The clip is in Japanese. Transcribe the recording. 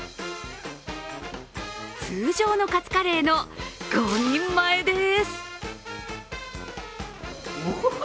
通常のカツカレーの５人前です。